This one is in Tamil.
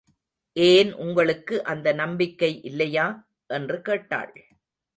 ஏன் உங்களுக்கு அந்த நம்பிக்கை இல்லையா? என்று கேட்டாள்.